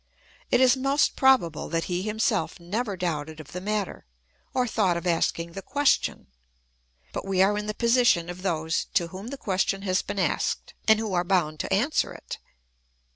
It is most probable that he himself never doubted of the matter, or thought of asking the question ; but we are in the position of those to whom the question has been asked, and who are bound to answer it.